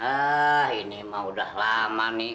ah ini mah udah lama nih